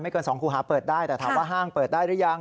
เกิน๒ครูหาเปิดได้แต่ถามว่าห้างเปิดได้หรือยัง